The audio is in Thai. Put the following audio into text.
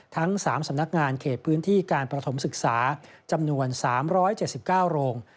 ทั้ง๓สำนักงานเขตพื้นที่การประถมศึกษาจำนวน๓๗๙โรง